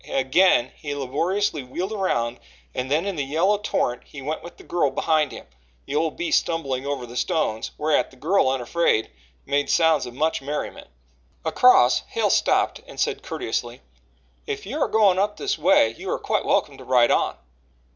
Again he laboriously wheeled about and then into the yellow torrent he went with the girl behind him, the old beast stumbling over the stones, whereat the girl, unafraid, made sounds of much merriment. Across, Hale stopped and said courteously: "If you are going up this way, you are quite welcome to ride on."